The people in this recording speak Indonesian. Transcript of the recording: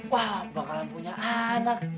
wah bakalan punya anak